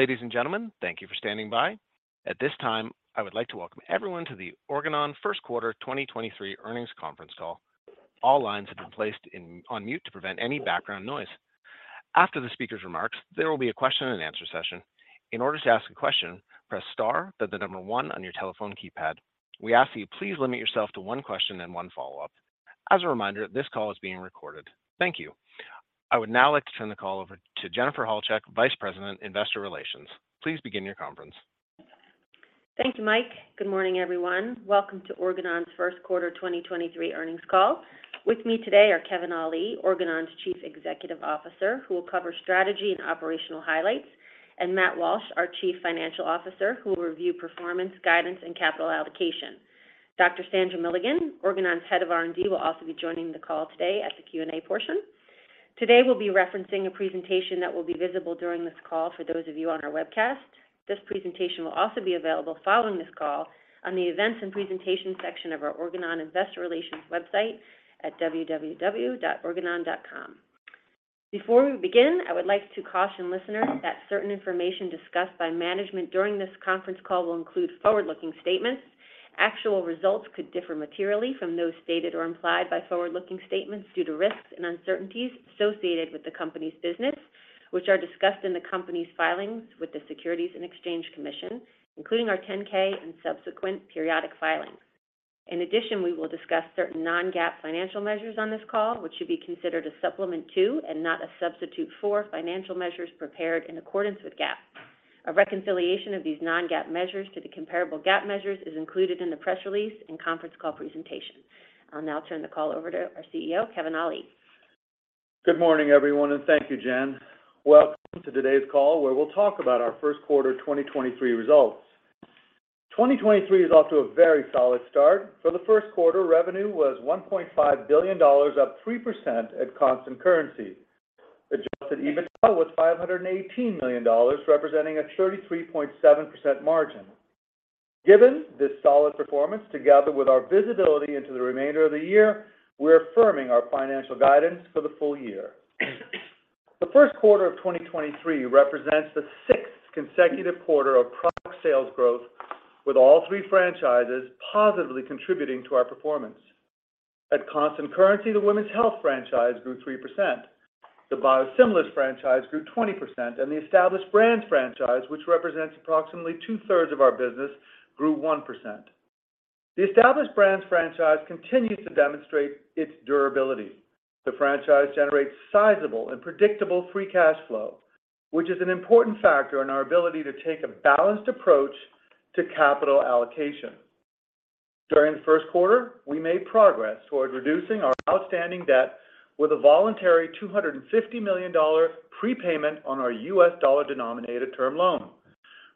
Ladies and gentlemen, thank you for standing by. At this time, I would like to welcome everyone to the Organon First Quarter 2023 Earnings Conference call. All lines have been placed on mute to prevent any background noise. After the speaker's remarks, there will be a question and answer session. In order to ask a question, press star, then the number 1 on your telephone keypad. We ask that you please limit yourself to one question and one follow-up. As a reminder, this call is being recorded. Thank you. I would now like to turn the call over to Jennifer Halchak, Vice President, Investor Relations. Please begin your conference. Thank you, Mike. Good morning, everyone. Welcome to Organon's first quarter 2023 earnings call. With me today are Kevin Ali, Organon's Chief Executive Officer, who will cover strategy and operational highlights, and Matthew Walsh, our Chief Financial Officer, who will review performance, guidance, and capital allocation. Dr. Sandra Milligan, Organon's Head of R&D, will also be joining the call today at the Q&A portion. Today, we'll be referencing a presentation that will be visible during this call for those of you on our webcast. This presentation will also be available following this call on the Events and Presentation section of our Organon Investor Relations website at www.organon.com. Before we begin, I would like to caution listeners that certain information discussed by management during this conference call will include forward-looking statements. Actual results could differ materially from those stated or implied by forward-looking statements due to risks and uncertainties associated with the company's business, which are discussed in the company's filings with the Securities and Exchange Commission, including our 10-K and subsequent periodic filings. We will discuss certain non-GAAP financial measures on this call, which should be considered a supplement to and not a substitute for financial measures prepared in accordance with GAAP. A reconciliation of these non-GAAP measures to the comparable GAAP measures is included in the press release and conference call presentation. I'll now turn the call over to our CEO, Kevin Ali. Good morning, everyone. Thank you, Jen. Welcome to today's call, where we'll talk about our first quarter 2023 results. 2023 is off to a very solid start. For the first quarter, revenue was $1.5 billion, up 3% at constant currency. Adjusted EBITDA was $518 million, representing a 33.7% margin. Given this solid performance, together with our visibility into the remainder of the year, we're affirming our financial guidance for the full year. The first quarter of 2023 represents the sixth consecutive quarter of product sales growth, with all three franchises positively contributing to our performance. At constant currency, the women's health franchise grew 3%. The biosimilars franchise grew 20%. The established brands franchise, which represents approximately two-thirds of our business, grew 1%. The established brands franchise continues to demonstrate its durability. The franchise generates sizable and predictable free cash flow, which is an important factor in our ability to take a balanced approach to capital allocation. During the first quarter, we made progress toward reducing our outstanding debt with a voluntary $250 million prepayment on our U.S. dollar-denominated term loan.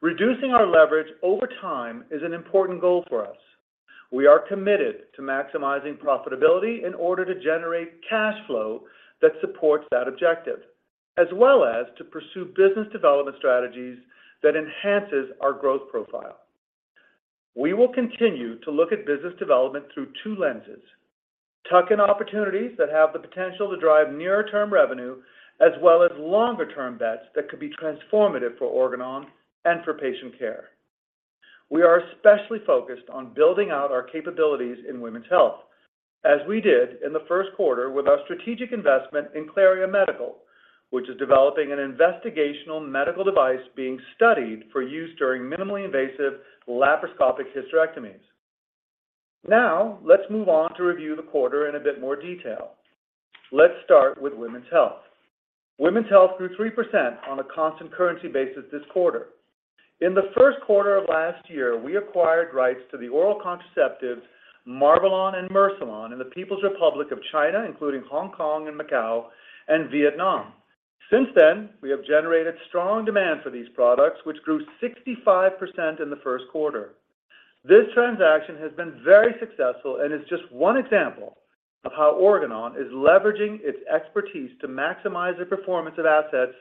Reducing our leverage over time is an important goal for us. We are committed to maximizing profitability in order to generate cash flow that supports that objective, as well as to pursue business development strategies that enhances our growth profile. We will continue to look at business development through two lenses: tuck-in opportunities that have the potential to drive near-term revenue, as well as longer-term bets that could be transformative for Organon and for patient care. We are especially focused on building out our capabilities in women's health, as we did in the first quarter with our strategic investment in Claria Medical, which is developing an investigational medical device being studied for use during minimally invasive laparoscopic hysterectomies. Let's move on to review the quarter in a bit more detail. Let's start with women's health. Women's health grew 3% on a constant currency basis this quarter. In the first quarter of last year, we acquired rights to the oral contraceptives, Marvelon and Mercilon, in the People's Republic of China, including Hong Kong and Macau, and Vietnam. We have generated strong demand for these products, which grew 65% in the first quarter. This transaction has been very successful and is just one example of how Organon is leveraging its expertise to maximize the performance of assets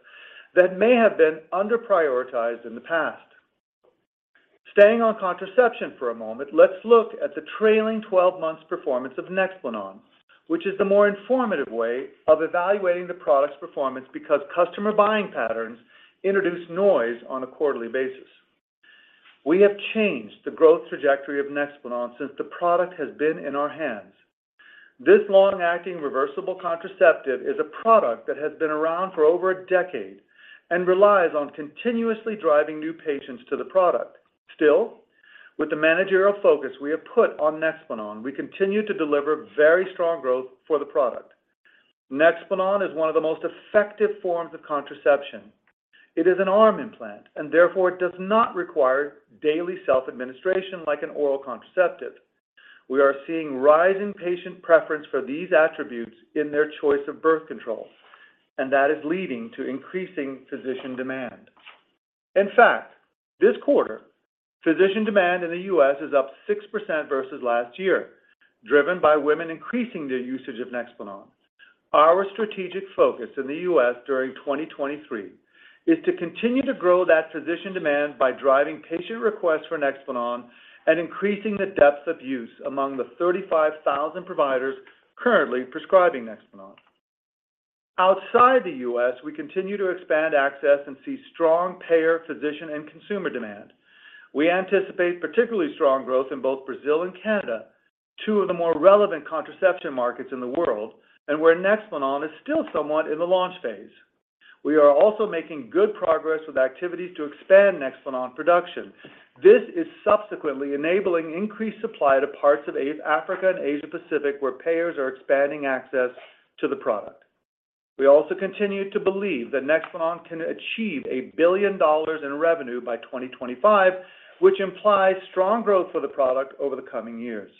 that may have been under prioritized in the past. Staying on contraception for a moment, let's look at the trailing-12-months performance of NEXPLANON, which is the more informative way of evaluating the product's performance because customer buying patterns introduce noise on a quarterly basis. We have changed the growth trajectory of NEXPLANON since the product has been in our hands. This long-acting reversible contraceptive is a product that has been around for over a decade and relies on continuously driving new patients to the product. Still, with the managerial focus we have put on NEXPLANON, we continue to deliver very strong growth for the product. NEXPLANON is one of the most effective forms of contraception. It is an arm implant, therefore, it does not require daily self-administration like an oral contraceptive. We are seeing rising patient preference for these attributes in their choice of birth control, that is leading to increasing physician demand. In fact, this quarter, physician demand in the U.S. is up 6% versus last year, driven by women increasing their usage of NEXPLANON. Our strategic focus in the U.S. during 2023 is to continue to grow that physician demand by driving patient requests for NEXPLANON and increasing the depth of use among the 35,000 providers currently prescribing NEXPLANON. Outside the U.S., we continue to expand access and see strong payer, physician, and consumer demand. We anticipate particularly strong growth in both Brazil and Canada, two of the more relevant contraception markets in the world and where NEXPLANON is still somewhat in the launch phase. We are also making good progress with activities to expand NEXPLANON production. This is subsequently enabling increased supply to parts of Africa and Asia Pacific, where payers are expanding access to the product. We also continue to believe that NEXPLANON can achieve $1 billion in revenue by 2025, which implies strong growth for the product over the coming years.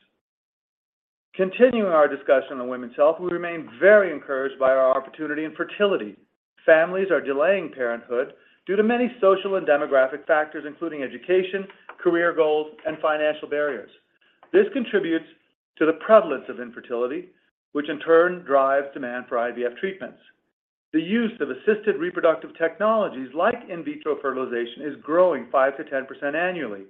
Continuing our discussion on women's health, we remain very encouraged by our opportunity in fertility. Families are delaying parenthood due to many social and demographic factors, including education, career goals, and financial barriers. This contributes to the prevalence of infertility, which in turn drives demand for IVF treatments. The use of assisted reproductive technologies like in vitro fertilization is growing 5%-10% annually.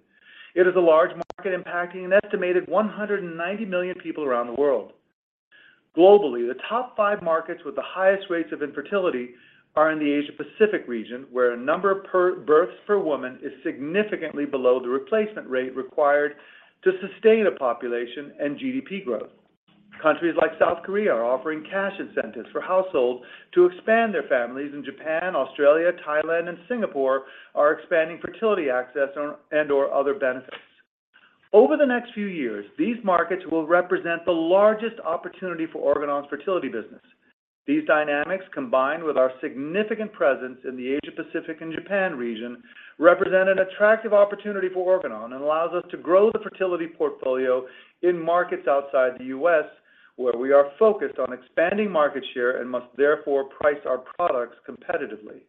It is a large market impacting an estimated 190 million people around the world. Globally, the top five markets with the highest rates of infertility are in the Asia-Pacific region, where a number of births per woman is significantly below the replacement rate required to sustain a population and GDP growth. Countries like South Korea are offering cash incentives for households to expand their families, and Japan, Australia, Thailand, and Singapore are expanding fertility access and/or other benefits. Over the next few years, these markets will represent the largest opportunity for Organon's fertility business. These dynamics, combined with our significant presence in the Asia-Pacific and Japan region, represent an attractive opportunity for Organon and allows us to grow the fertility portfolio in markets outside the U.S., where we are focused on expanding market share and must therefore price our products competitively.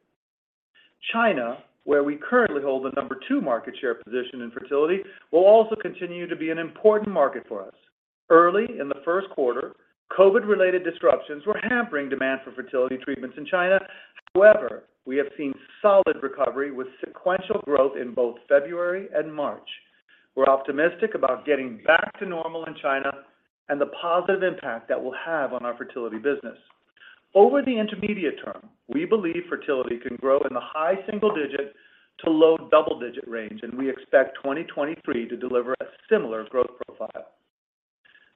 China, where we currently hold the number two market share position in fertility, will also continue to be an important market for us. Early in the first quarter, COVID-related disruptions were hampering demand for fertility treatments in China. We have seen solid recovery with sequential growth in both February and March. We're optimistic about getting back to normal in China and the positive impact that will have on our fertility business. Over the intermediate term, we believe fertility can grow in the high single-digit to low double-digit range, and we expect 2023 to deliver a similar growth profile.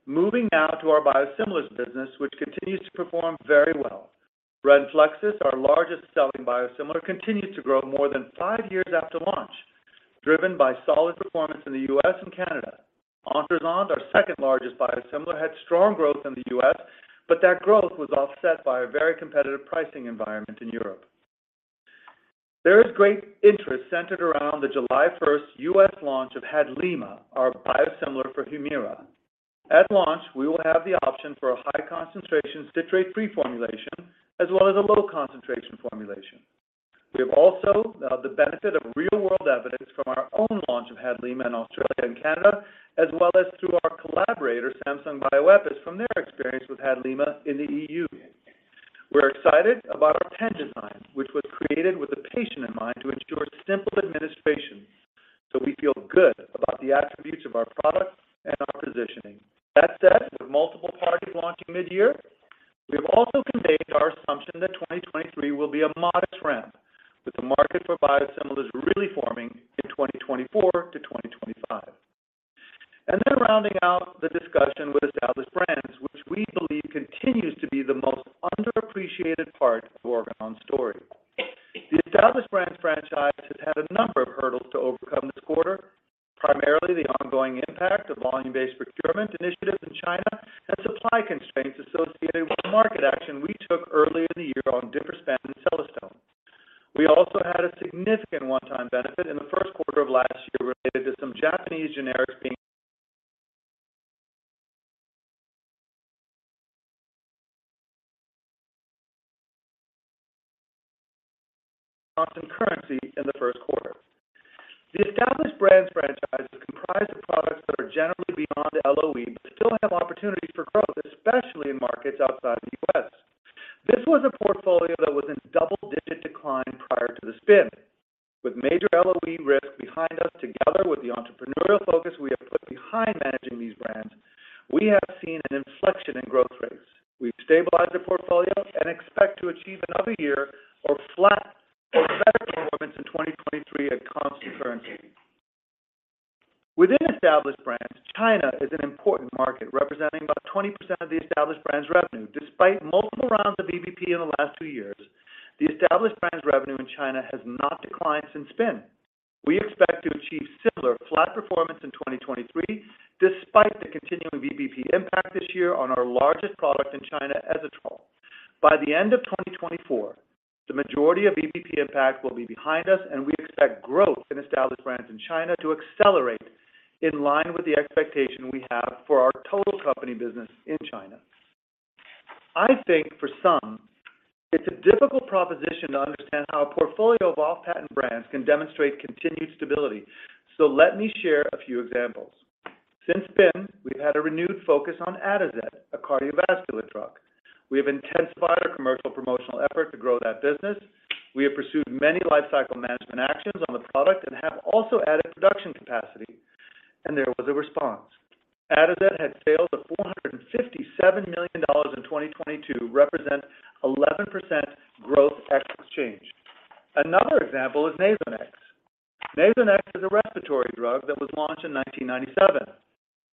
Moving now to our biosimilars business, which continues to perform very well. RENFLEXIS, our largest selling biosimilar, continues to grow more than five years after launch, driven by solid performance in the U.S. and Canada. Ontruzant, our second-largest biosimilar, had strong growth in the U.S., but that growth was offset by a very competitive pricing environment in Europe. There is great interest centered around the July 1st U.S. launch of HADLIMA, our biosimilar for Humira. At launch, we will have the option for a high-concentration citrate free formulation, as well as a low-concentration formulation. We have also the benefit of real-world evidence from our own launch of HADLIMA in Australia and Canada, as well as through our collaborator, Samsung Bioepis, from their experience with HADLIMA in the EU. We're excited about our pen design, which was created with the patient in mind to ensure simple administration, so we feel good about the attributes of our product and our positioning. With multiple parties launching mid-year, we have also conveyed our assumption that 2023 will be a modest ramp, with the market for biosimilars really forming in 2024-2025. Rounding out the discussion with Established Brands, which we believe continues to be the most underappreciated part of Organon's story. The Established Brands franchise has had a number of hurdles to overcome this quarter, primarily the ongoing impact of volume-based procurement initiatives in China and supply constraints associated with the market action we took earlier in the year on Diprospan and Celestone. We also had a significant one-time benefit in the first quarter of last year related to some Japanese generics being... constant currency in the first quarter. The Established Brands franchise is comprised of products that are generally beyond LOE but still have opportunities for growth, especially in markets outside the U.S. This was a portfolio that was in double-digit decline prior to the spin. With major LOE risk behind us, together with the entrepreneurial focus we have put behind managing these brands, we have seen an inflection in growth rates. We've stabilized the portfolio and expect to achieve an up a year or flat or better performance in 2023 at constant currency. Within Established Brands, China is an important market, representing about 20% of the Established Brands revenue. Despite multiple rounds of VBP in the last 2 years, the Established Brands revenue in China has not declined since spin. We expect to achieve similar flat performance in 2023, despite the continuing VBP impact this year on our largest product in China, Ezetrol. By the end of 2024, the majority of VBP impact will be behind us, and we expect growth in Established Brands in China to accelerate in line with the expectation we have for our total company business in China. I think for some, it's a difficult proposition to understand how a portfolio of off-patent brands can demonstrate continued stability. Let me share a few examples. Since spin, we've had a renewed focus on Atozet, a cardiovascular drug. We have intensified our commercial promotional effort to grow that business. We have pursued many lifecycle management actions on the product and have also added production capacity. There was a response. Atozet had sales of $457 million in 2022, represent 11% growth tax exchange. Another example is Nasonex. Nasonex is a respiratory drug that was launched in 1997.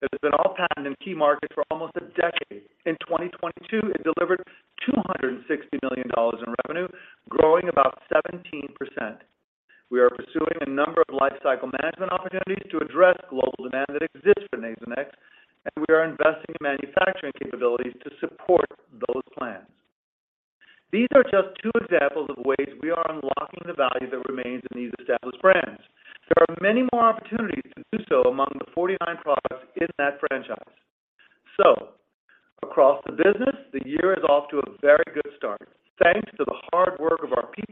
It has been off patent in key markets for almost a decade. In 2022, it delivered $260 million in revenue, growing about 17%. We are pursuing a number of lifecycle management opportunities to address global demand that exists for Nasonex, and we are investing in manufacturing capabilities to support those plans. These are just two examples of ways we are unlocking the value that remains in these established brands. There are many more opportunities to do so among the 49 products in that franchise. Across the business, the year is off to a very good start. Thanks to the hard work of our people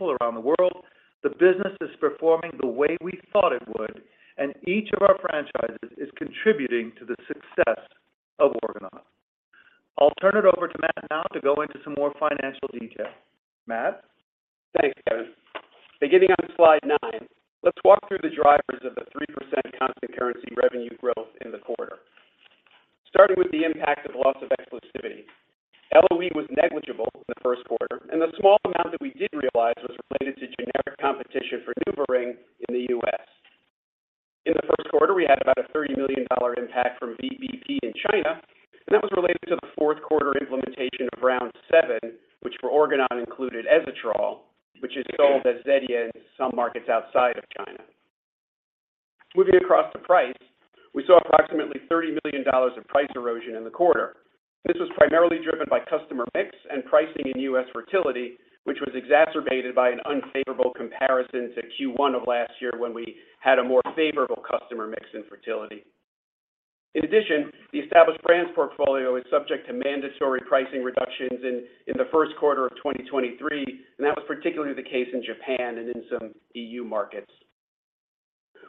around the world, the business is performing the way we thought it would, and each of our franchises is contributing to the success of Organon. I'll turn it over to Matt now to go into some more financial detail. Matt? Thanks, Kevin. Beginning on slide 9, let's walk through the drivers of the 3% constant currency revenue growth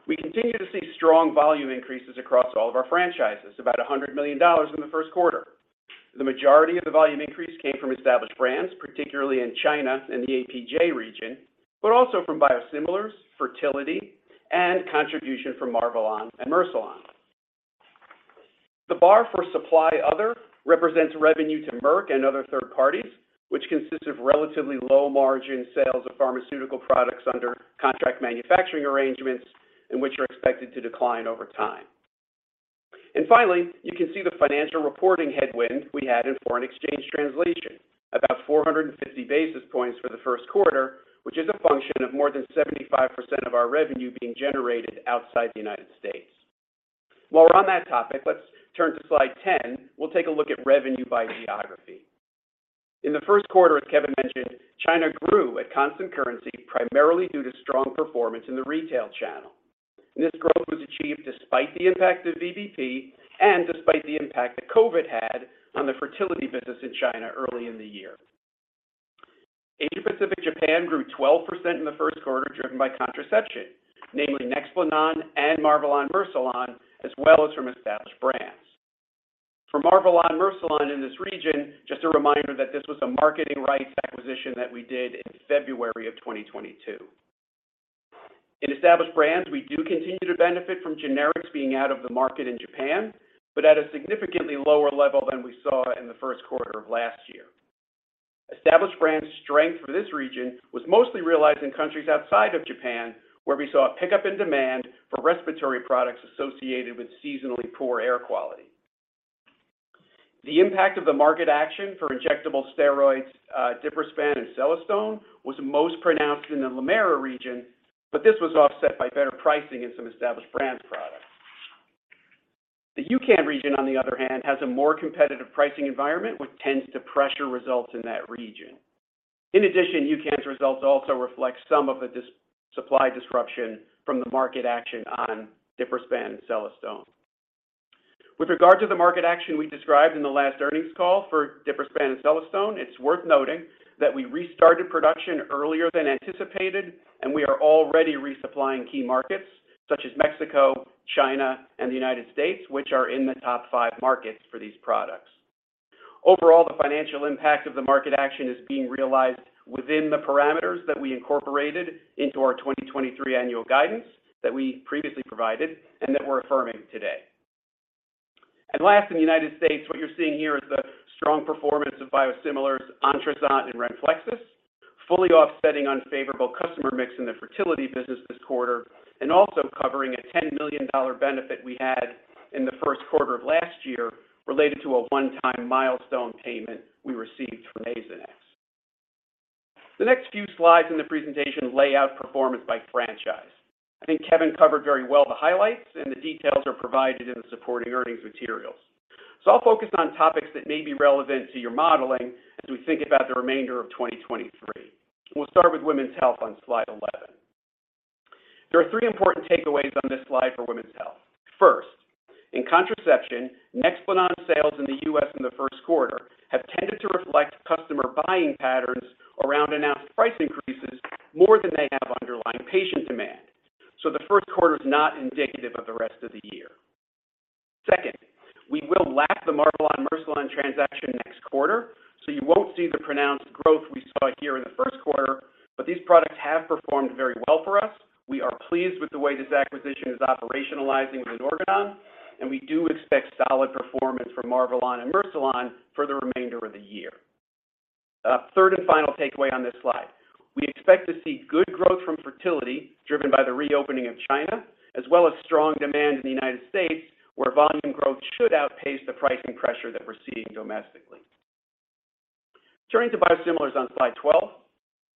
We continue to see strong volume increases across all of our franchises, about $100 million in the first quarter. The majority of the volume increase came from established brands, particularly in China and the APJ region, also from biosimilars, fertility, and contribution from Marvelon and Mercilon. The bar for supply other represents revenue to Merck and other third parties, which consists of relatively low-margin sales of pharmaceutical products under contract manufacturing arrangements and which are expected to decline over time. Finally, you can see the financial reporting headwind we had in foreign exchange translation, about 450 basis points for the first quarter, which is a function of more than 75% of our revenue being generated outside the United States. While we're on that topic, let's turn to slide 10. We'll take a look at revenue by geography. In the first quarter, as Kevin mentioned, China grew at constant currency, primarily due to strong performance in the retail channel. This growth was achieved despite the impact of VBP and despite the impact that COVID had on the fertility business in China early in the year. Asia Pacific Japan grew 12% in the first quarter, driven by contraception, namely NEXPLANON and Marvelon Mercilon, as well as from established brands. For Marvelon Mercilon in this region, just a reminder that this was a marketing rights acquisition that we did in February of 2022. In established brands, we do continue to benefit from generics being out of the market in Japan, but at a significantly lower level than we saw in the first quarter of last year. Established brands' strength for this region was mostly realized in countries outside of Japan, where we saw a pickup in demand for respiratory products associated with seasonally poor air quality. The impact of the market action for injectable steroids, Diprospan and Celestone, was most pronounced in the LATAM region. This was offset by better pricing in some established brand products. The UKAN region, on the other hand, has a more competitive pricing environment, which tends to pressure results in that region. UKAN's results also reflect some of the supply disruption from the market action on Diprospan and Celestone. With regard to the market action we described in the last earnings call for Diprospan and Celestone, it's worth noting that we restarted production earlier than anticipated, and we are already resupplying key markets such as Mexico, China, and the United States, which are in the top five markets for these products. Overall, the financial impact of the market action is being realized within the parameters that we incorporated into our 2023 annual guidance that we previously provided and that we're affirming today. Last, in the United States, what you're seeing here is the strong performance of biosimilars Ontruzant and RENFLEXIS, fully offsetting unfavorable customer mix in the fertility business this quarter and also covering a $10 million benefit we had in the first quarter of last year related to a one-time milestone payment we received from Nasonex. The next few slides in the presentation lay out performance by franchise. I think Kevin covered very well the highlights, and the details are provided in the supporting earnings materials. I'll focus on topics that may be relevant to your modeling as we think about the remainder of 2023. We'll start with women's health on slide 11. There are 3 important takeaways on this slide for women's health. First, in contraception, NEXPLANON sales in the U.S. in the first quarter have tended to reflect customer buying patterns around announced price increases more than they have underlying patient demand. The first quarter is not indicative of the rest of the year. Second, lack the Marvelon-Mercilon transaction next quarter, so you won't see the pronounced growth we saw here in the first quarter. These products have performed very well for us. We are pleased with the way this acquisition is operationalizing with Organon, and we do expect solid performance from Marvelon and Mercilon for the remainder of the year. Third and final takeaway on this slide. We expect to see good growth from fertility driven by the reopening of China, as well as strong demand in the United States, where volume growth should outpace the pricing pressure that we're seeing domestically. Turning to biosimilars on Slide 12.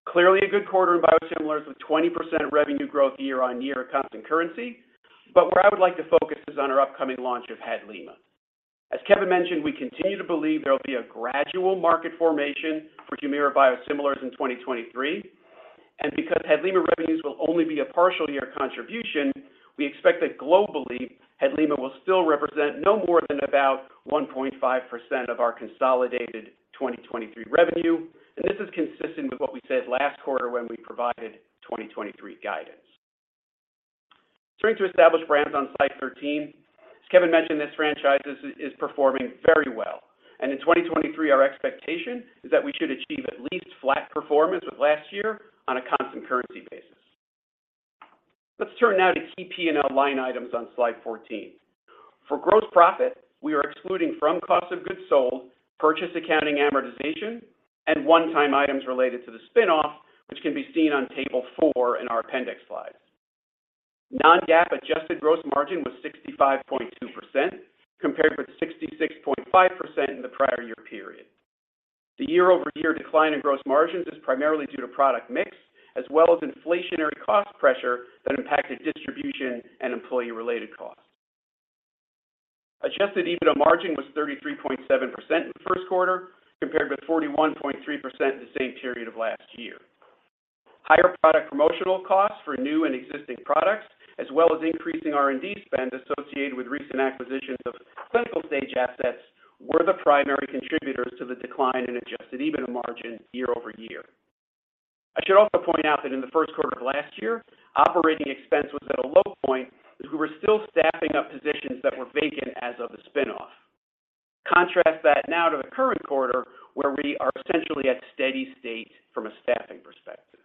Clearly a good quarter in biosimilars with 20% revenue growth year-over-year constant currency. Where I would like to focus is on our upcoming launch of HADLIMA. As Kevin mentioned, we continue to believe there will be a gradual market formation for Humira biosimilars in 2023. Because HADLIMA revenues will only be a partial year contribution, we expect that globally, HADLIMA will still represent no more than about 1.5% of our consolidated 2023 revenue. This is consistent with what we said last quarter when we provided 2023 guidance. Turning to established brands on slide 13. As Kevin mentioned, this franchise is performing very well. In 2023, our expectation is that we should achieve at least flat performance with last year on a constant currency basis. Let's turn now to key P&L line items on slide 14. For gross profit, we are excluding from COGS, purchase accounting amortization, and one-time items related to the spin-off, which can be seen on table 4 in our appendix slides. Non-GAAP adjusted gross margin was 65.2% compared with 66.5% in the prior year period. The year-over-year decline in gross margins is primarily due to product mix, as well as inflationary cost pressure that impacted distribution and employee-related costs. Adjusted EBITDA margin was 33.7% in the first quarter, compared with 41.3% in the same period of last year. Higher product promotional costs for new and existing products, as well as increasing R&D spend associated with recent acquisitions of clinical-stage assets, were the primary contributors to the decline in Adjusted EBITDA margin year-over-year. I should also point out that in the first quarter of last year, operating expense was at a low point as we were still staffing up positions that were vacant as of the spin-off. Contrast that now to the current quarter, where we are essentially at steady state from a staffing perspective.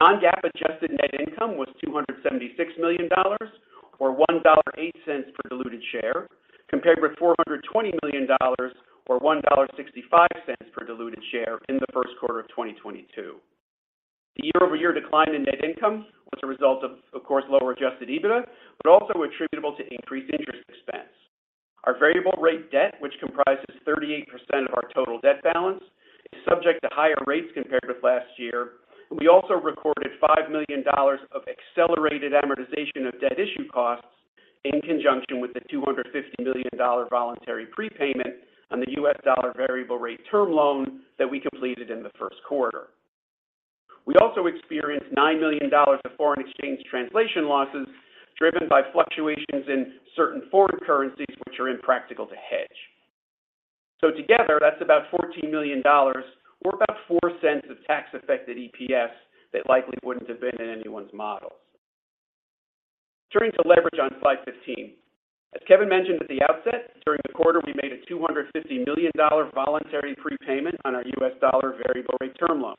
non-GAAP adjusted net income was $276 million or $1.08 per diluted share, compared with $420 million or $1.65 per diluted share in the first quarter of 2022. The year-over-year decline in net income was a result of course, lower Adjusted EBITDA, also attributable to increased interest expense. Our variable rate debt, which comprises 38% of our total debt balance, is subject to higher rates compared with last year. We also recorded $5 million of accelerated amortization of debt issue costs in conjunction with the $250 million voluntary prepayment on the US dollar variable rate term loan that we completed in the first quarter. We also experienced $9 million of foreign exchange translation losses driven by fluctuations in certain foreign currencies which are impractical to hedge. Together, that's about $14 million or about $0.04 of tax-affected EPS that likely wouldn't have been in anyone's models. Turning to leverage on slide 15. As Kevin mentioned at the outset, during the quarter, we made a $250 million voluntary prepayment on our US dollar variable rate term loan.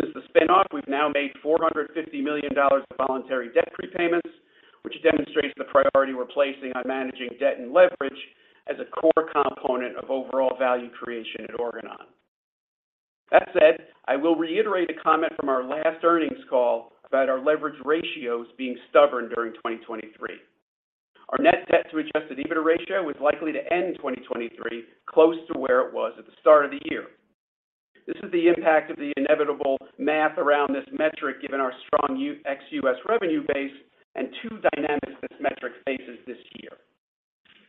Since the spin-off, we've now made $450 million of voluntary debt prepayments, which demonstrates the priority we're placing on managing debt and leverage as a core component of overall value creation at Organon. I will reiterate a comment from our last earnings call about our leverage ratios being stubborn during 2023. Our net debt to Adjusted EBITDA ratio is likely to end 2023 close to where it was at the start of the year. This is the impact of the inevitable math around this metric, given our strong ex-US revenue base and two dynamics this metric faces this year.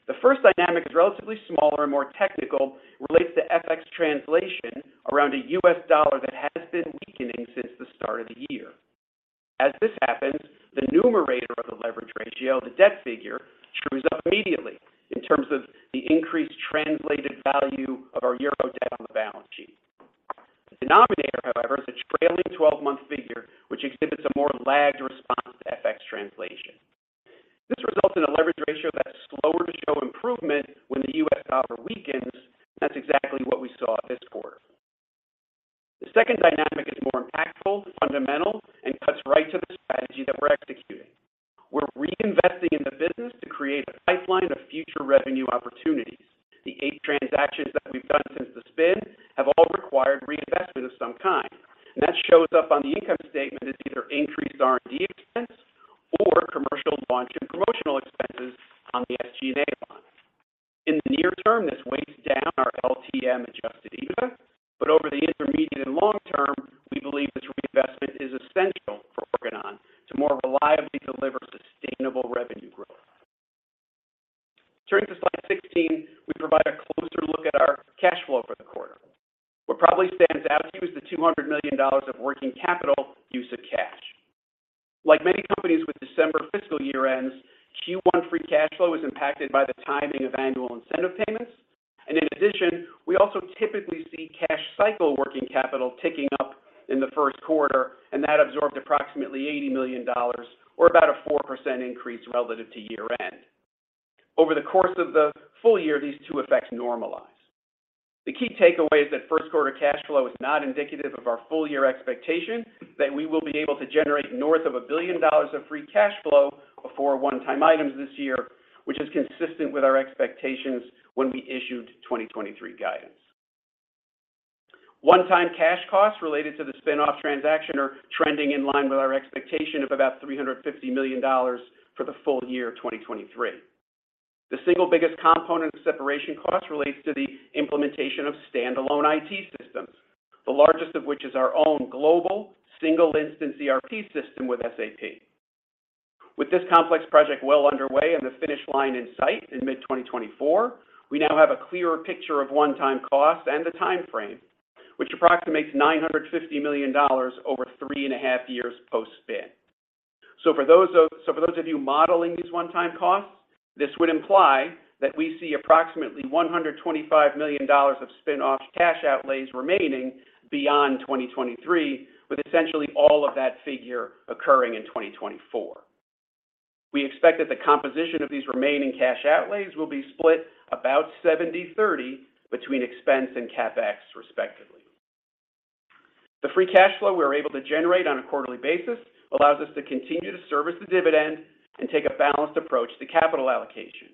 The first dynamic is relatively smaller and more technical, relates to FX translation around a US dollar that has been weakening since the start of the year. As this happens, the numerator of the leverage ratio, the debt figure, trues up immediately in terms of the increased translated value of our EUR debt on the balance sheet. The denominator, however, is a trailing twelve-month figure, which exhibits a more lagged response to FX translation. This results in a leverage ratio that's slower to show improvement when the U.S. dollar weakens, and that's exactly what we saw this quarter. The second dynamic is more impactful, fundamental, and cuts right to the strategy that we're executing. We're reinvesting in the business to create a pipeline of future revenue opportunities. The eight transactions that we've done since the spin have all required reinvestment of some kind, and that shows up on the income statement as either increased R&D expense or commercial launch and promotional expenses on the SG&A line. In the near term, this weighs down our LTM Adjusted EBITDA, but over the intermediate and long term, we believe this reinvestment is essential for Organon to more reliably deliver sustainable revenue growth. Turning to slide 16, we provide a closer look at our cash flow for the quarter. What probably stands out to you is the $200 million of working capital use of cash. Like many companies with December fiscal year-ends, Q1 free cash flow is impacted by the timing of annual incentive payments. In addition, we also typically see cash cycle working capital ticking up in the first quarter, and that absorbed approximately $80 million or about a 4% increase relative to year-end. Over the course of the full year, these two effects normalize. The key takeaway is that first quarter cash flow is not indicative of our full year expectation that we will be able to generate north of $1 billion of free cash flow before one-time items this year, which is consistent with our expectations when we issued 2023 guidance. One-time cash costs related to the spin-off transaction are trending in line with our expectation of about $350 million for the full year of 2023. The single biggest component of separation costs relates to the implementation of standalone IT systems, the largest of which is our own global single instance ERP system with SAP. With this complex project well underway and the finish line in sight in mid-2024, we now have a clearer picture of one-time costs and the time frame, which approximates $950 million over three and a half years post-spin. For those of you modeling these one-time costs, this would imply that we see approximately $125 million of spin-off cash outlays remaining beyond 2023, with essentially all of that figure occurring in 2024. We expect that the composition of these remaining cash outlays will be split about 70/30 between expense and CapEx, respectively. The free cash flow we are able to generate on a quarterly basis allows us to continue to service the dividend and take a balanced approach to capital allocation.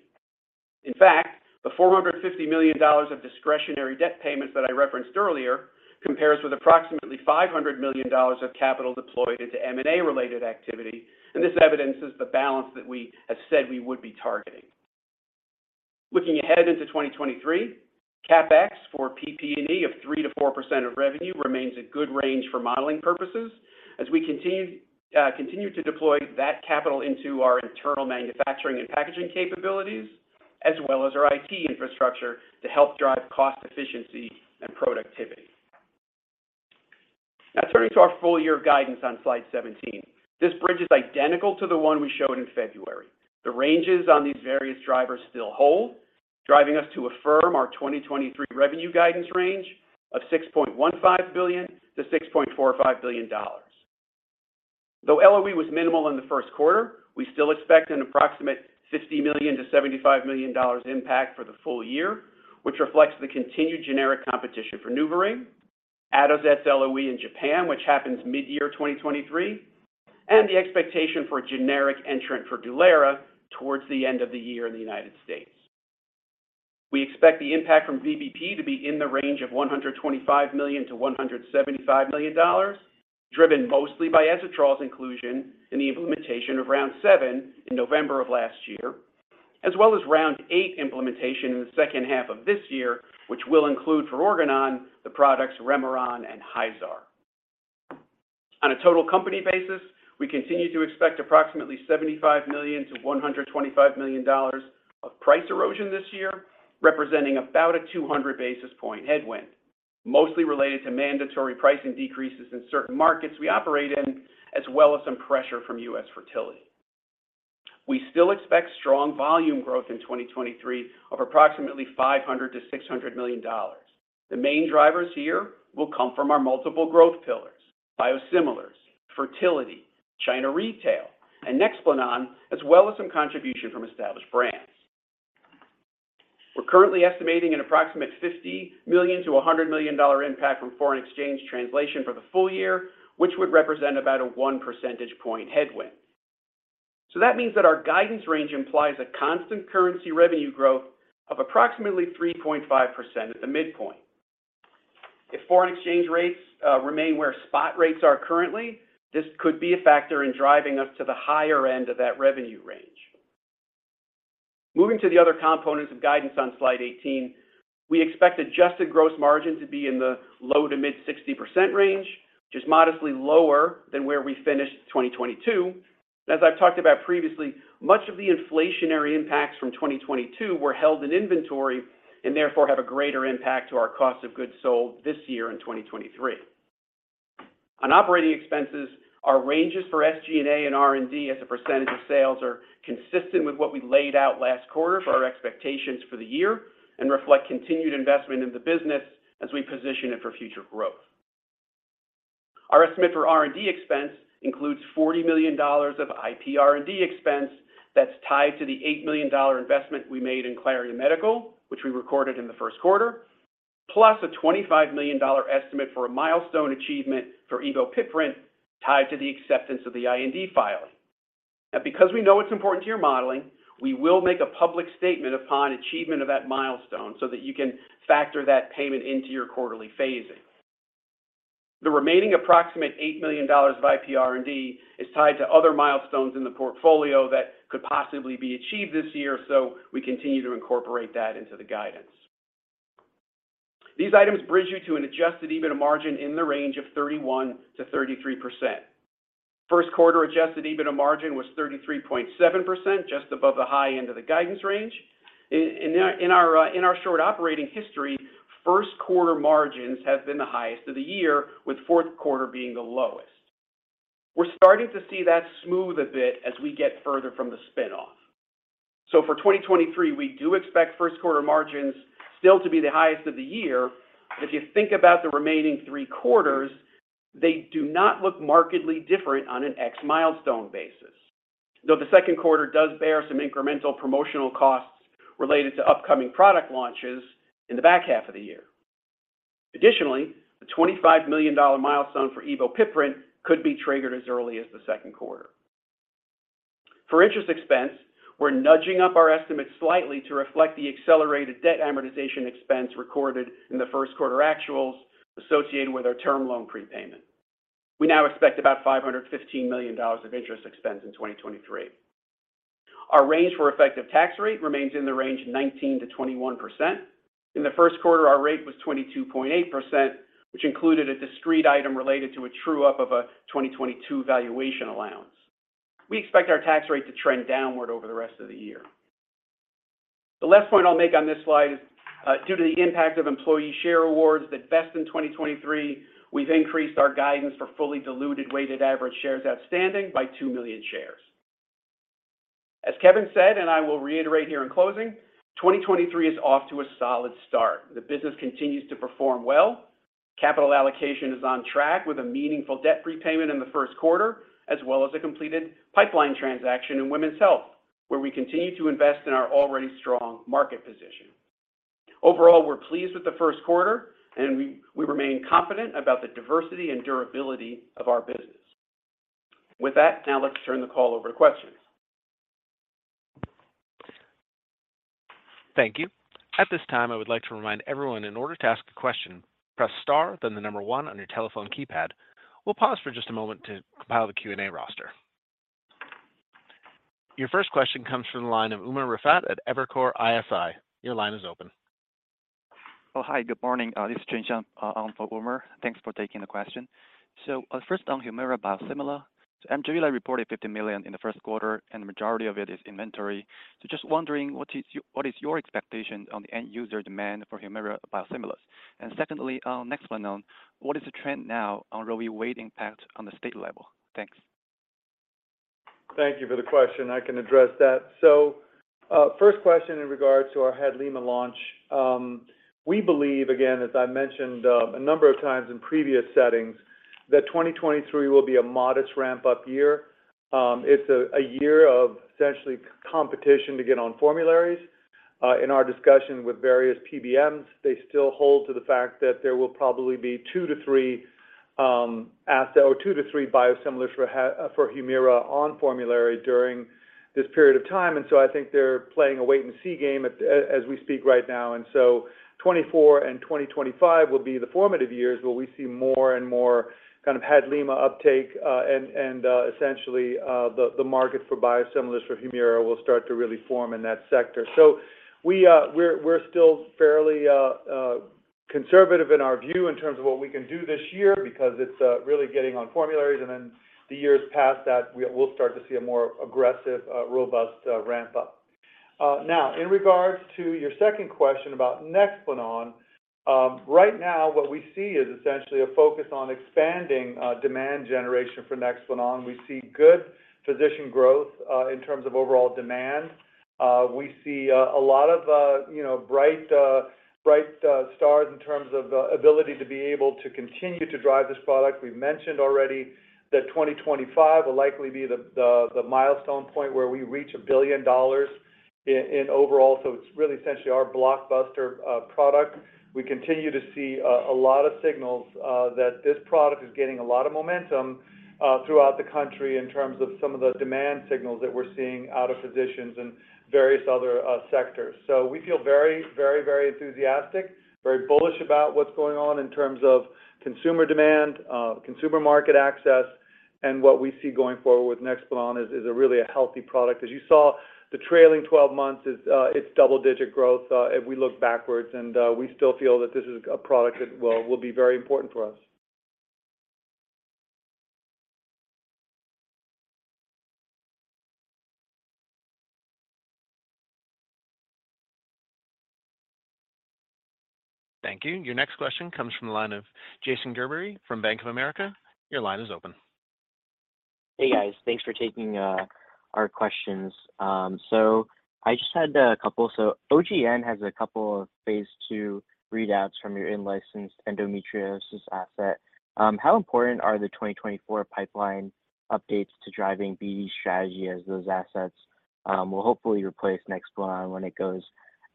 In fact, the $450 million of discretionary debt payments that I referenced earlier compares with approximately $500 million of capital deployed into M&A-related activity, and this evidences the balance that we have said we would be targeting. Looking ahead into 2023, CapEx for PP&E of 3%-4% of revenue remains a good range for modeling purposes as we continue to deploy that capital into our internal manufacturing and packaging capabilities, as well as our IT infrastructure to help drive cost efficiency and productivity. Turning to our full-year guidance on slide 17. This bridge is identical to the one we showed in February. The ranges on these various drivers still hold, driving us to affirm our 2023 revenue guidance range of $6.15 billion-$6.45 billion. Though LOE was minimal in the first quarter, we still expect an approximate $50 million-$75 million impact for the full year, which reflects the continued generic competition for NuvaRing, Atozet LOE in Japan, which happens mid-year 2023, and the expectation for a generic entrant for Dulera towards the end of the year in the United States. We expect the impact from VBP to be in the range of $125 million-$175 million, driven mostly by Ezetrol's inclusion in the implementation of round seven in November of last year, as well as round eight implementation in the second half of this year, which will include for Organon the products Remeron and Hyzaar. On a total company basis, we continue to expect approximately $75 million-$125 million of price erosion this year, representing about a 200 basis point headwind, mostly related to mandatory pricing decreases in certain markets we operate in, as well as some pressure from U.S. fertility. We still expect strong volume growth in 2023 of approximately $500 million-$600 million. The main drivers here will come from our multiple growth pillars, biosimilars, fertility, China retail, and NEXPLANON, as well as some contribution from established brands. We're currently estimating an approximate $50 million-$100 million impact from foreign exchange translation for the full year, which would represent about a 1 percentage point headwind. That means that our guidance range implies a constant currency revenue growth of approximately 3.5% at the midpoint. If foreign exchange rates remain where spot rates are currently, this could be a factor in driving us to the higher end of that revenue range. Moving to the other components of guidance on slide 18, we expect Adjusted Gross Margin to be in the low to mid 60% range, which is modestly lower than where we finished 2022. As I've talked about previously, much of the inflationary impacts from 2022 were held in inventory and therefore have a greater impact to our Cost of Goods Sold this year in 2023. On operating expenses, our ranges for SG&A and R&D as a percentage of sales are consistent with what we laid out last quarter for our expectations for the year and reflect continued investment in the business as we position it for future growth. Our estimate for R&D expense includes $40 million of IP R&D expense that's tied to the $8 million investment we made in Claria Medical, which we recorded in the first quarter, plus a $25 million estimate for a milestone achievement for ebopiprant tied to the acceptance of the IND filing. Because we know it's important to your modeling, we will make a public statement upon achievement of that milestone so that you can factor that payment into your quarterly phasing. The remaining approximate $8 million of IP R&D is tied to other milestones in the portfolio that could possibly be achieved this year, so we continue to incorporate that into the guidance. These items bridge you to an Adjusted EBITDA margin in the range of 31%-33%. First quarter Adjusted EBITDA margin was 33.7%, just above the high end of the guidance range. In our short operating history, first quarter margins have been the highest of the year, with fourth quarter being the lowest. We're starting to see that smooth a bit as we get further from the spin-off. For 2023, we do expect first quarter margins still to be the highest of the year. If you think about the remaining 3 quarters, they do not look markedly different on an ex milestone basis. Though the second quarter does bear some incremental promotional costs related to upcoming product launches in the back half of the year. Additionally, the $25 million milestone for ebopiprant could be triggered as early as the second quarter. For interest expense, we're nudging up our estimates slightly to reflect the accelerated debt amortization expense recorded in the first quarter actuals associated with our term loan prepayment. We now expect about $515 million of interest expense in 2023. Our range for effective tax rate remains in the range 19%-21%. In the first quarter, our rate was 22.8%, which included a discrete item related to a true-up of a 2022 valuation allowance. We expect our tax rate to trend downward over the rest of the year. The last point I'll make on this slide is due to the impact of employee share awards that vest in 2023, we've increased our guidance for fully diluted weighted average shares outstanding by 2 million shares. As Kevin said, and I will reiterate here in closing, 2023 is off to a solid start. The business continues to perform well. Capital allocation is on track with a meaningful debt prepayment in the first quarter, as well as a completed pipeline transaction in women's health, where we continue to invest in our already strong market position. Overall, we're pleased with the first quarter, and we remain confident about the diversity and durability of our business. With that, now let's turn the call over to questions. Thank you. At this time, I would like to remind everyone in order to ask a question, press star then the number 1 on your telephone keypad. We'll pause for just a moment to compile the Q&A roster. Your first question comes from the line of Umer Raffat at Evercore ISI. Your line is open. Hi, good morning. This is Chensheng on for Umer. Thanks for taking the question. First on Humira biosimilar. Amgen reported $50 million in the first quarter, and the majority of it is inventory. Just wondering what is your expectation on the end user demand for Humira biosimilars? Secondly, NEXPLANON what is the trend now on Roe v. Wade impact on the state level? Thanks. Thank you for the question. I can address that. First question in regards to our HADLIMA launch. We believe, again, as I mentioned, a number of times in previous settings, that 2023 will be a modest ramp-up year. It's a year of essentially competition to get on formularies. In our discussions with various PBMs, they still hold to the fact that there will probably be 2 to 3 asset or 2 to 3 biosimilars for Humira on formulary during this period of time. I think they're playing a wait-and-see game at as we speak right now. and 2025 will be the formative years where we see more and more kind of HADLIMA uptake, essentially, the market for biosimilars for Humira will start to really form in that sector. We're still fairly conservative in our view in terms of what we can do this year because it's really getting on formularies. The years past that we'll start to see a more aggressive, robust, ramp up. In regards to your second question about NEXPLANON, right now what we see is essentially a focus on expanding demand generation for NEXPLANON. We see good physician growth in terms of overall demand. We see, you know, bright stars in terms of ability to be able to continue to drive this product. We've mentioned already that 2025 will likely be the milestone point where we reach $1 billion in overall. It's really essentially our blockbuster product. We continue to see a lot of signals that this product is gaining a lot of momentum throughout the country in terms of some of the demand signals that we're seeing out of physicians and various other sectors. We feel very, very, very enthusiastic, very bullish about what's going on in terms of consumer demand, consumer market access. What we see going forward with NEXPLANON is a really a healthy product. As you saw, the trailing 12 months is, it's double-digit growth, if we look backwards, and we still feel that this is a product that will be very important for us. Thank you. Your next question comes from the line of Jason Gerberry from Bank of America. Your line is open. Hey, guys. Thanks for taking our questions. I just had a couple. OGN has a couple of phase II readouts from your in-licensed endometriosis asset. How important are the 2024 pipeline updates to driving BD strategy as those assets will hopefully replace NEXPLANON when it goes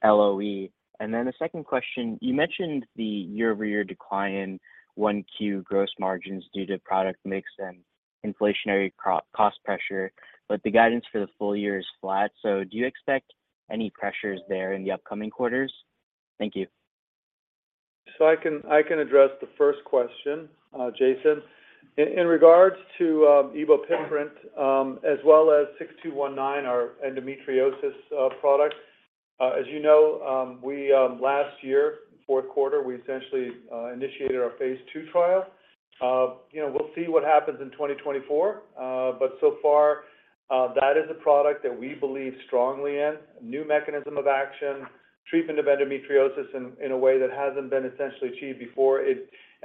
LOE? The second question, you mentioned the year-over-year decline in 1Q gross margins due to product mix and inflationary cost pressure, but the guidance for the full year is flat. Do you expect any pressures there in the upcoming quarters? Thank you. I can address the first question, Jason. In regards to ebopiprant, as well as OG-6219, our endometriosis product, as you know, we last year, fourth quarter, we essentially initiated our phase II trial. You know, we'll see what happens in 2024. That is a product that we believe strongly in, new mechanism of action, treatment of endometriosis in a way that hasn't been essentially achieved before.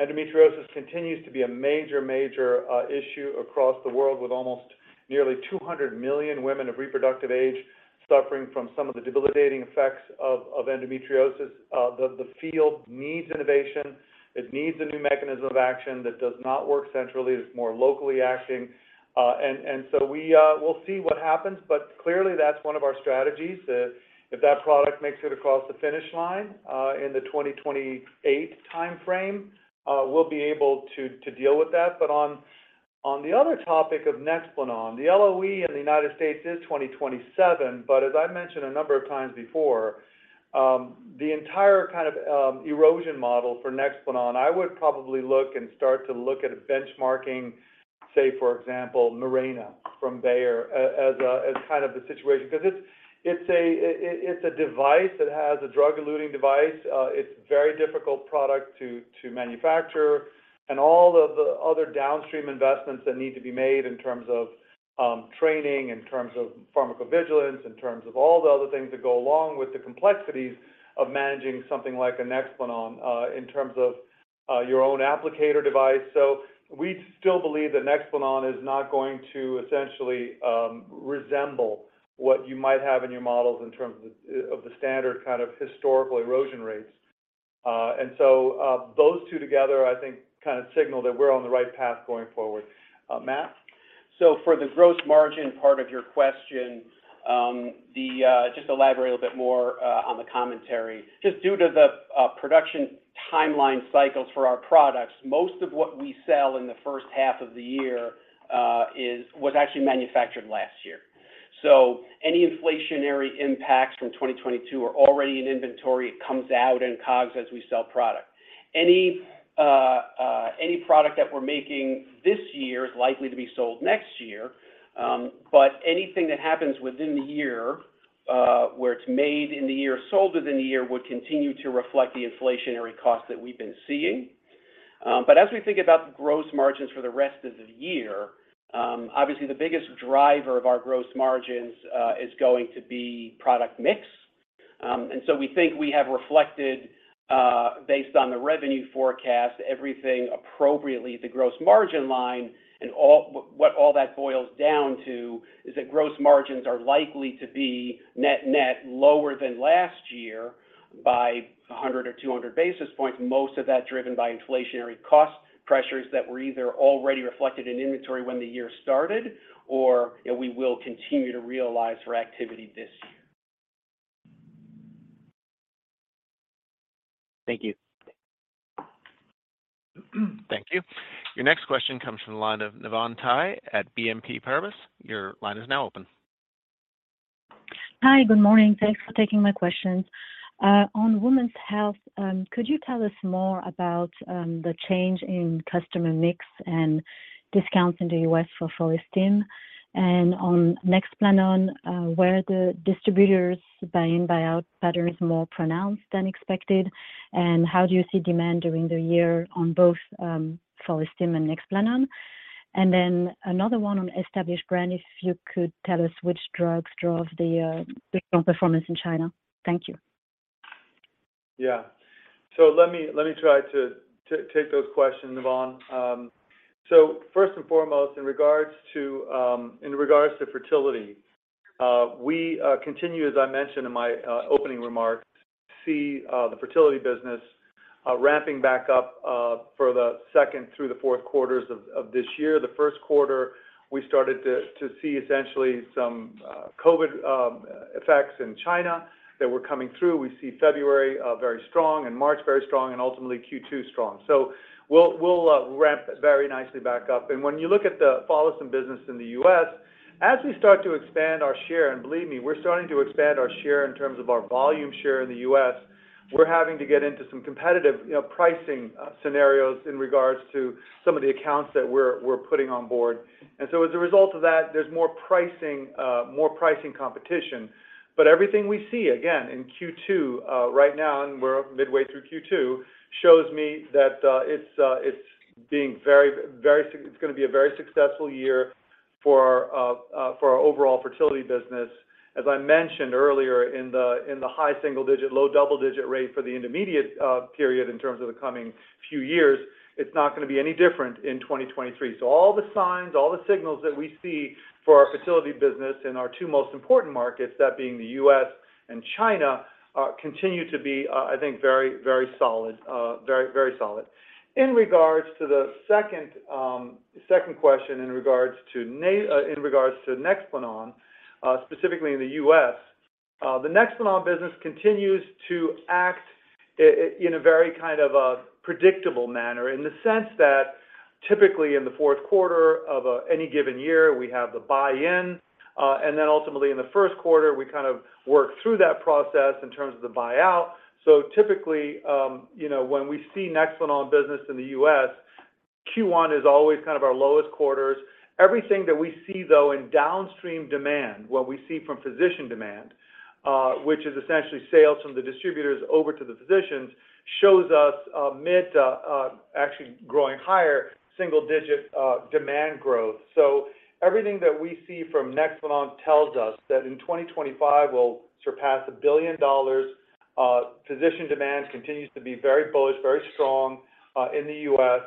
Endometriosis continues to be a major issue across the world with almost nearly 200 million women of reproductive age suffering from some of the debilitating effects of endometriosis. The field needs innovation. It needs a new mechanism of action that does not work centrally. It's more locally acting. We'll see what happens. Clearly that's one of our strategies. If that product makes it across the finish line in the 2028 timeframe, we'll be able to deal with that. On the other topic of NEXPLANON, the LOE in the United States is 2027, but as I mentioned a number of times before, the entire kind of erosion model for NEXPLANON, I would probably look and start to look at benchmarking, say, for example, Mirena from Bayer as kind of the situation. Because it's a device that has a drug-eluting device. It's very difficult product to manufacture and all of the other downstream investments that need to be made in terms of training, in terms of pharmacovigilance, in terms of all the other things that go along with the complexities of managing something like a NEXPLANON, in terms of your own applicator device. We still believe that NEXPLANON is not going to essentially resemble what you might have in your models in terms of the standard kind of historical erosion rates. Those two together, I think, kind of signal that we're on the right path going forward. Matt? For the gross margin part of your question, just to elaborate a little bit more on the commentary, just due to the production timeline cycles for our products, most of what we sell in the first half of the year was actually manufactured last year. Any inflationary impacts from 2022 are already in inventory. It comes out in COGS as we sell product. Any product that we're making this year is likely to be sold next year. Anything that happens within the year, where it's made in the year, sold within the year, would continue to reflect the inflationary costs that we've been seeing. As we think about the gross margins for the rest of the year, obviously the biggest driver of our gross margins is going to be product mix. We think we have reflected, based on the revenue forecast, everything appropriately at the gross margin line and what all that boils down to is that gross margins are likely to be net net lower than last year by 100 or 200 basis points, most of that driven by inflationary cost pressures that were either already reflected in inventory when the year started or, you know, we will continue to realize for activity this year. Thank you. Thank you. Your next question comes from the line of Navann Ty at BNP Paribas. Your line is now open. Hi, good morning. Thanks for taking my questions. On women's health, could you tell us more about the change in customer mix and discounts in the U.S. for Follistim? On NEXPLANON, were the distributors' buy-in, buy-out pattern is more pronounced than expected? How do you see demand during the year on both Follistim and NEXPLANON? Another one on established brand, if you could tell us which drugs drove the different performance in China. Thank you. Yeah. Let me try to take those questions, Navann. First and foremost, in regards to, in regards to fertility, we continue, as I mentioned in my opening remarks, to see the fertility business ramping back up for the second through the fourth quarters of this year. The first quarter, we started to see essentially some COVID effects in China that were coming through. We see February very strong and March very strong and ultimately Q2 strong. We'll ramp very nicely back up. When you look at the Follistim business in the US, as we start to expand our share, and believe me, we're starting to expand our share in terms of our volume share in the US, we're having to get into some competitive, you know, pricing, scenarios in regards to some of the accounts that we're putting on board. As a result of that, there's more pricing, more pricing competition. But everything we see, again, in Q2, right now, and we're midway through Q2, shows me that, it's being a very successful year for our, for our overall fertility business. As I mentioned earlier, in the high single digit, low double digit rate for the intermediate period in terms of the coming few years, it's not gonna be any different in 2023. All the signs, all the signals that we see for our fertility business in our two most important markets, that being the U.S. and China, continue to be, I think very, very solid. In regards to the second question in regards to Nexplanon, specifically in the US, the Nexplanon business continues to act in a very kind of a predictable manner in the sense that typically in the fourth quarter of any given year, we have the buy-in, and then ultimately in the first quarter, we kind of work through that process in terms of the buy-out. Typically, you know, when we see Nexplanon business in the US, Q1 is always kind of our lowest quarters. Everything that we see though in downstream demand, what we see from physician demand, which is essentially sales from the distributors over to the physicians, shows us actually growing higher single digit demand growth. Everything that we see from Nexplanon tells us that in 2025, we'll surpass $1 billion. Physician demand continues to be very bullish, very strong in the U.S.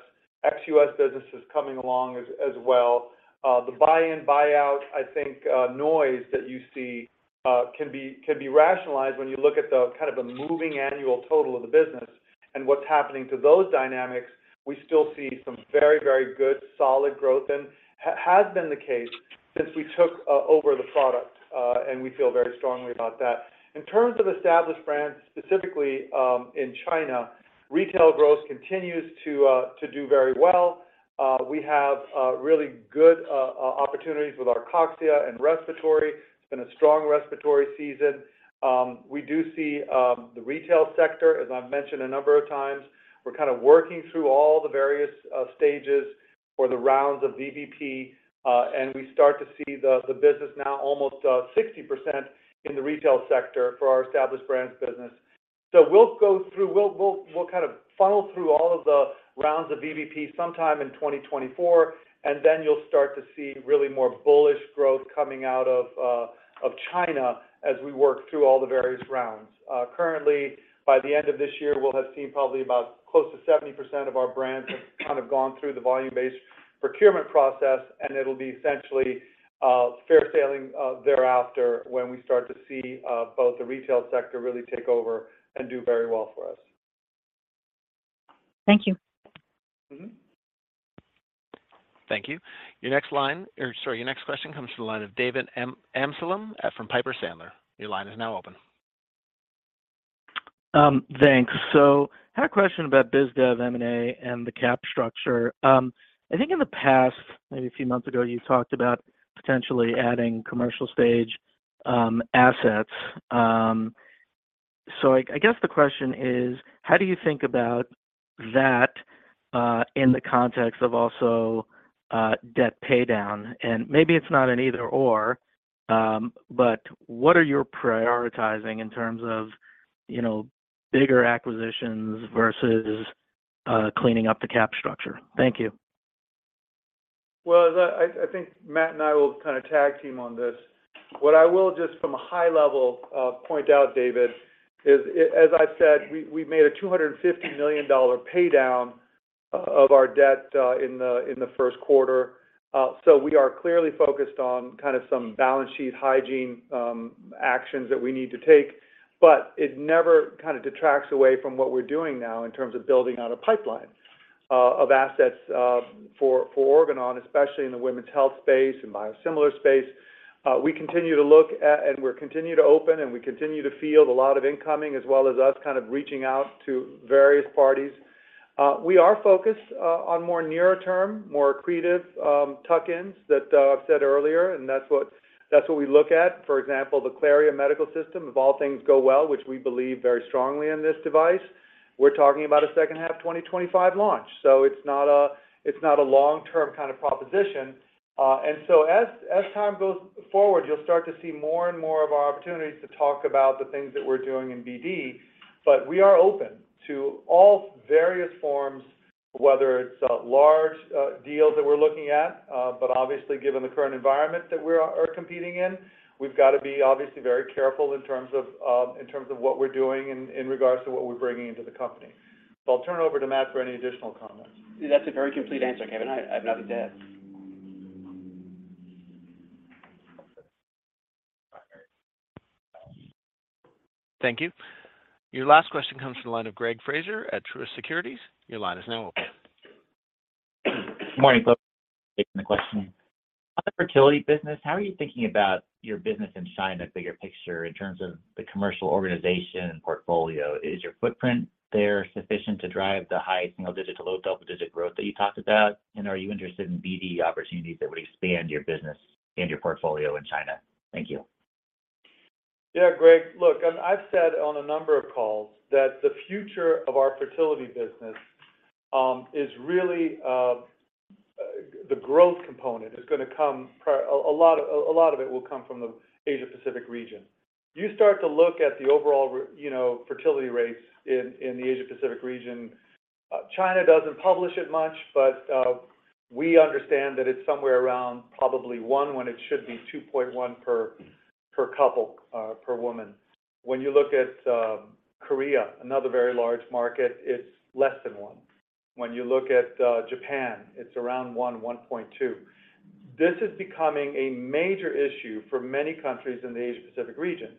Ex-U.S. business is coming along as well. The buy in buy out, I think noise that you see can be rationalized when you look at the kind of the moving annual total of the business and what's happening to those dynamics. We still see some very, very good solid growth and has been the case since we took over the product, and we feel very strongly about that. In terms of established brands, specifically, in China, retail growth continues to do very well. We have really good opportunities with Arcoxia and respiratory. It's been a strong respiratory season. We do see the retail sector, as I've mentioned a number of times. We're kind of working through all the various stages or the rounds of VBP, and we start to see the business now almost 60% in the retail sector for our established brands business. We'll kind of funnel through all of the rounds of VBP sometime in 2024, and then you'll start to see really more bullish growth coming out of China as we work through all the various rounds. Currently, by the end of this year, we'll have seen probably about close to 70% of our brands have kind of gone through the volume-based procurement process, it'll be essentially fair sailing thereafter, when we start to see both the retail sector really take over and do very well for us. Thank you. Thank you. Your next line, or sorry, your next question comes from the line of David Amsellem from Piper Sandler. Your line is now open. Thanks. I had a question about biz dev M&A and the cap structure. I think in the past, maybe a few months ago, you talked about potentially adding commercial stage, assets. I guess the question is: how do you think about that, in the context of also, debt pay down? Maybe it's not an either/or, but what are your prioritizing in terms of, you know, bigger acquisitions versus, cleaning up the cap structure? Thank you. I think Matt and I will kinda tag team on this. What I will just from a high level point out, David, as I've said, we made a $250 million pay down of our debt in the first quarter. We are clearly focused on kind of some balance sheet hygiene actions that we need to take. It never kinda detracts away from what we're doing now in terms of building out a pipeline of assets for Organon, especially in the women's health space and biosimilar space. We continue to look at, we continue to open, we continue to field a lot of incoming as well as us kind of reaching out to various parties. We are focused on more near term, more accretive tuck-ins that I've said earlier, and that's what we look at. For example, the Claria Medical system, if all things go well, which we believe very strongly in this device, we're talking about a second half 2025 launch. It's not a long-term kind of proposition. As time goes forward, you'll start to see more and more of our opportunities to talk about the things that we're doing in BD. We are open to all various forms, whether it's a large deal that we're looking at. Obviously, given the current environment that we are competing in, we've got to be obviously very careful in terms of what we're doing in regards to what we're bringing into the company. I'll turn over to Matt for any additional comments. That's a very complete answer, Kevin. I have nothing to add. Thank you. Your last question comes from the line of Gregory Fraser at Truist Securities. Your line is now open. Good morning, folks. Taking the question. On the fertility business, how are you thinking about your business in China, bigger picture, in terms of the commercial organization and portfolio? Is your footprint there sufficient to drive the high single-digit to low double-digit growth that you talked about? Are you interested in BD opportunities that would expand your business and your portfolio in China? Thank you. Yeah, Greg, look, I've said on a number of calls that the future of our fertility business is really, the growth component is gonna come a lot of it will come from the Asia-Pacific region. You start to look at the overall you know, fertility rates in the Asia-Pacific region. China doesn't publish it much, but we understand that it's somewhere around probably 1 when it should be 2.1 per couple per woman. When you look at Korea, another very large market, it's less than 1. When you look at Japan, it's around 1.2. This is becoming a major issue for many countries in the Asia-Pacific region.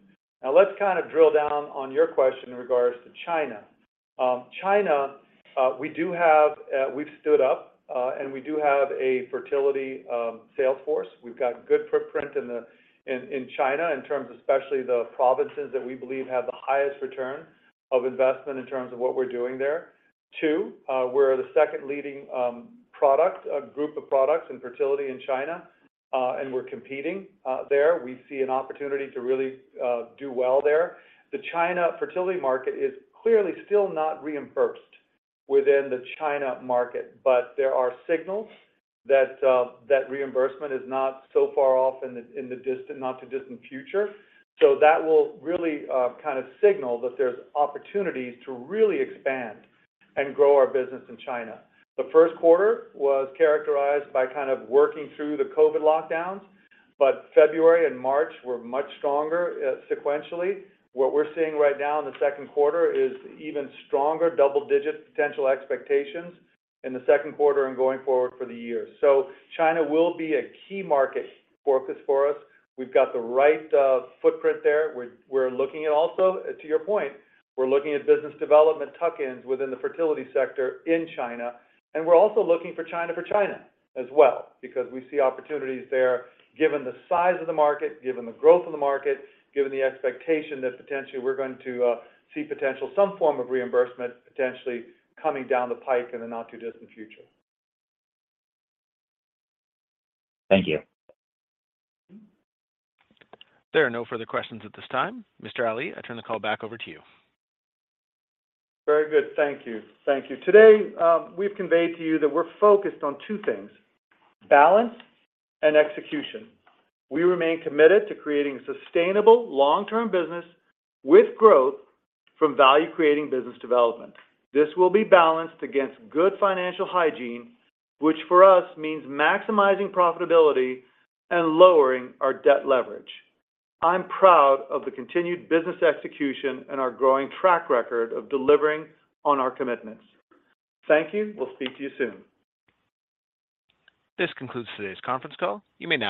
Let's kinda drill down on your question in regards to China. China, we do have, we've stood up, and we do have a fertility sales force. We've got good footprint in China, in terms of especially the provinces that we believe have the highest return of investment in terms of what we're doing there. 2, we're the 2nd leading product group of products in fertility in China, and we're competing there. We see an opportunity to really do well there. The China fertility market is clearly still not reimbursed within the China market, but there are signals that reimbursement is not so far off in the distant, not too distant future. That will really kind of signal that there's opportunities to really expand and grow our business in China. The first quarter was characterized by kind of working through the COVID lockdowns, but February and March were much stronger, sequentially. What we're seeing right now in the second quarter is even stronger double-digit potential expectations in the second quarter and going forward for the year. China will be a key market focus for us. We've got the right footprint there. We're looking at also, to your point, we're looking at business development tuck-ins within the fertility sector in China. We're also looking for China for China as well because we see opportunities there given the size of the market, given the growth of the market, given the expectation that potentially we're going to see potential some form of reimbursement potentially coming down the pipe in the not too distant future. Thank you. There are no further questions at this time. Mr. Ali, I turn the call back over to you. Very good. Thank you. Thank you. Today, we've conveyed to you that we're focused on 2 things, balance and execution. We remain committed to creating sustainable long-term business with growth from value-creating business development. This will be balanced against good financial hygiene, which for us means maximizing profitability and lowering our debt leverage. I'm proud of the continued business execution and our growing track record of delivering on our commitments. Thank you. We'll speak to you soon. This concludes today's conference call. You may now disconnect.